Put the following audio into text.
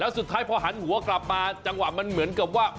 สุดท้ายพอหันหัวกลับมาจังหวะมันเหมือนกับว่า